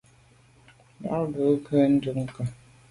Mba be a’ ghù à ndùke.